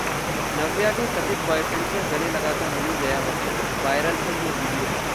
नव्या के कथित बॉयफ्रेंड से गले लगकर मिलीं जया बच्चन, वायरल है ये वीडियो